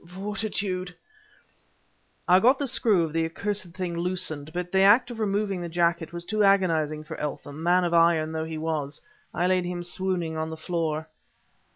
fortitude..." I got the screw of the accursed thing loosened, but the act of removing the jacket was too agonizing for Eltham man of iron though he was. I laid him swooning on the floor.